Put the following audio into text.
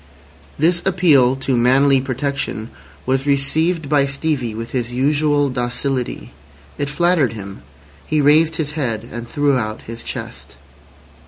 This appeal to manly protection was received by Stevie with his usual docility. It flattered him. He raised his head and threw out his chest.